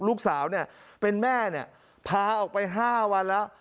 ลูกสาวเนี่ยเป็นแม่เนี่ยพาออกไป๕วันแล้ว